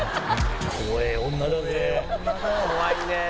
怖いね